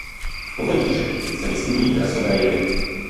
V povodí řeky se vyskytují krasové jevy.